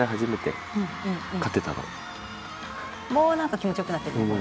もうなんか気持ちよくなってるところ？